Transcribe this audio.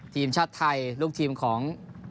ทีมชาติไทยลูกทีมของ